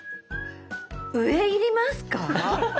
上要りますか？